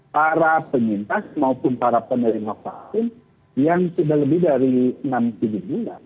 para penyintas maupun para penerima vaksin yang sudah lebih dari enam tujuh bulan